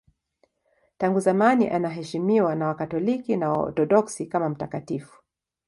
Tangu zamani anaheshimiwa na Wakatoliki na Waorthodoksi kama mtakatifu.